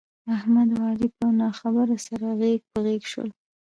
احمد او علي په نه خبره سره غېږ په غېږ شول.